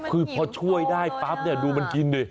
คือพอช่วยได้ปั๊บดูมันกินด้วย